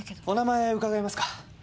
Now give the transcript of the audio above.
お名前伺えますか？